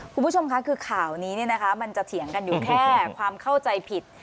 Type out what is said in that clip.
คุณผู้ชมค่ะคือข่าวนี้มันจะเถียงกันอยู่แค่ความเข้าใจผิด